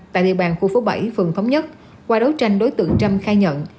tại địa bàn khu phố bảy phường thống nhất qua đấu tranh đối tượng trâm khai nhận